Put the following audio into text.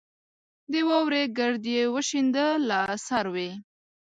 د واورې ګرد یې وشینده له سروې